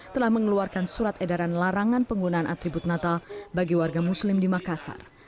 telah mengeluarkan surat edaran larangan penggunaan atribut natal bagi warga muslim di makassar